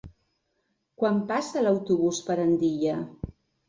Quan passa l'autobús per Andilla?